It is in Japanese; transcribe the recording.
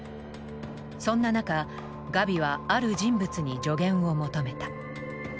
そんな中ガビはある人物に助言を求めた。